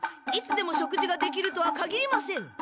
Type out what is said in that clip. いつでも食事ができるとはかぎりません！